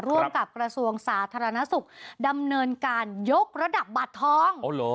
ร่วมกับกระทรวงสาธารณสุขดำเนินการยกระดับบัตรทอง